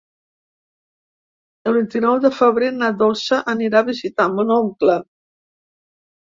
El vint-i-nou de febrer na Dolça anirà a visitar mon oncle.